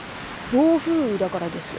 暴風雨だからです。